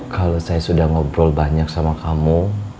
kalau saya sudah ngobrol banyak sama kamu